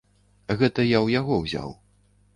Гэта я ў яго ўзяў.